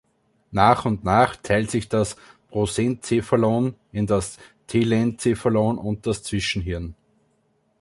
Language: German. Nach und nach teilt sich das Prosencephalon in das Telencephalon und das Zwischenhirn.